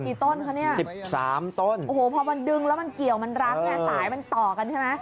กี่ต้นคะนี่พอมันดึงแล้วมันเกี่ยวมันรักสายมันต่อกันใช่ไหม